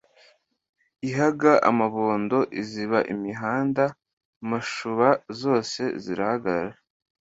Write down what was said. Ihaga amabondo iziba imihanda Mashuba zose zirahagarara,